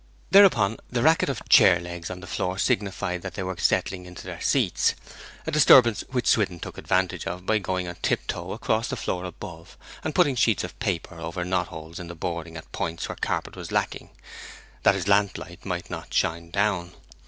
Thereupon the racket of chair legs on the floor signified that they were settling into their seats, a disturbance which Swithin took advantage of by going on tiptoe across the floor above, and putting sheets of paper over knot holes in the boarding at points where carpet was lacking, that his lamp light might not shine down.